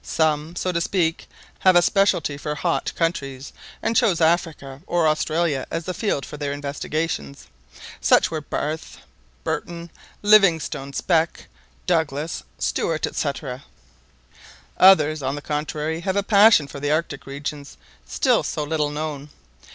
Some, so to speak, have a specialty for hot countries, and choose Africa or Australia as the field for their investigations. Such were Barth, Burton, Livingstone Speke, Douglas, Stuart, &c. Others, on the contrary, have a passion for the Arctic regions, still so little known.